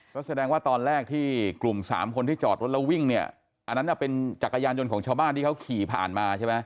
ก็แสดงว่าตอนแรกที่กลุ่มสามคนที่จอดรถแล้ววิ่งเนี่ยอันนั้นเป็นจักรยานยนต์ของชาวบ้านที่เขาขี่ผ่านมาใช่ไหม